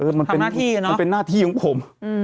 ทำหน้าที่เนอะเออมันเป็นหน้าที่ของผม